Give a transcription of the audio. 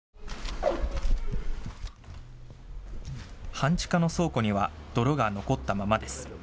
半地下の倉庫には泥が残ったままです。